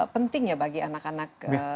penting ya bagi anak anak